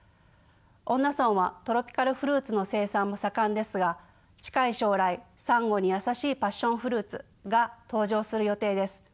恩納村はトロピカルフルーツの生産も盛んですが近い将来サンゴに優しいパッションフルーツが登場する予定です。